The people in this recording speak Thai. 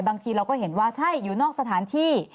บางทีเราก็เห็นว่าใช่อยู่นอกสถานที่